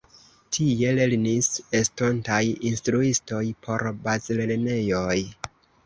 Tie lernis estontaj instruistoj por bazlernejoj.